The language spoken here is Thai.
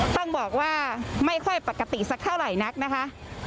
ต้องบอกว่าไม่ค่อยปกติสักเท่าไหร่นักนะคะ